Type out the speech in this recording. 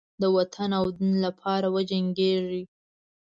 د وطن او دین لپاره وجنګیږي.